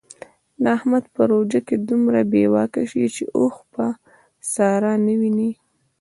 احمد په روژه کې دومره بې واکه شي چې اوښ په ساره نه ویني.